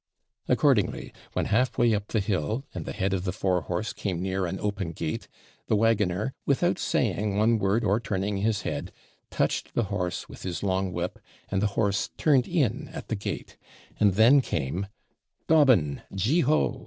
Accordingly, when half way up the hill, and the head of the fore horse came near an open gate, the waggoner, without saying one word or turning his head, touched the horse with his long whip and the horse turned in at the gate, and then came 'Dobbin! Jeho!'